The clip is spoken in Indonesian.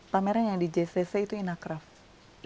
pameran yang di jcc itu inacraft